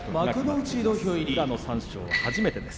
宇良の三賞は初めてです。